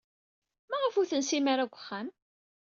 Maɣef ur tensim ara deg uxxam?